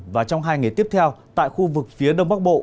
và trong hai ngày tiếp theo tại khu vực phía đông bắc bộ